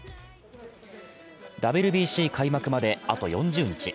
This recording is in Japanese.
ＷＢＣ開幕まで、あと４０日。